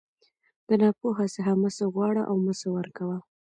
د ناپوه څخه مه څه غواړه او مه څه ورکوه.